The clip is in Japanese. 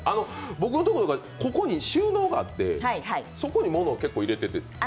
僕のところとか、枕元に収納があって、そこに物を結構入れてて。